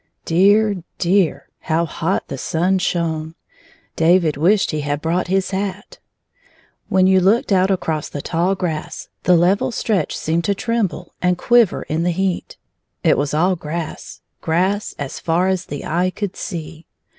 Dear, dear; how hot the sun shone! David wished he had brought his hat. When you looked 4 9 out across the tall grass, the level stretch seemed to tremble, and quiver in the heat. It was all grass, grass as far as the eye could see.